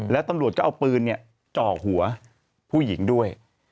แล้วตำรวจก็เอาปืนจ่อหัวผู้หญิงด้วย